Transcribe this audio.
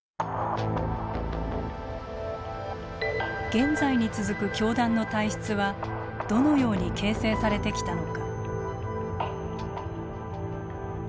現在に続く教団の体質はどのように形成されてきたのか。